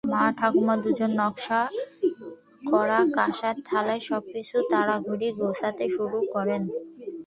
মা, ঠাকুমা দুজনই নকশা করা কাঁসার থালায় সবকিছু তড়িঘড়ি গোছাতে শুরু করেন।